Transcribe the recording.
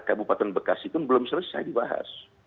kabupaten bekasi pun belum selesai dibahas